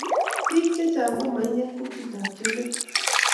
pik che chnag komainge kutit ab chumbek